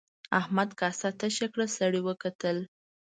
احمد کاسه تشه کړه سړي وکتل.